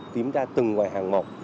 tiếm ra từng ngoài hàng ngọt